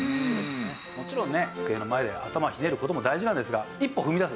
もちろんね机の前で頭をひねる事も大事なんですが一歩踏み出す。